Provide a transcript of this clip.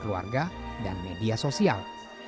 keluarga dan media sosial